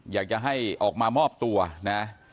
อยากจะให้ออกมามอบตัวนะ